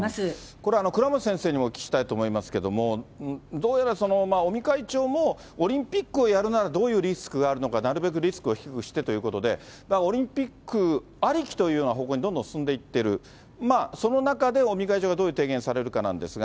これ、倉持先生にもお聞きしたいと思いますけれども、どうやら、尾身会長も、オリンピックをやるならどういうリスクがあるのか、なるべくリスクを低くしてということで、オリンピックありきというような方向にどんどん進んでいってる、その中で、尾身会長がどういう提言をされるかなんですが。